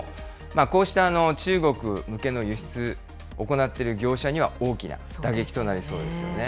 こうした中国向けの輸出行っている業者には大きな打撃となりそうですよね。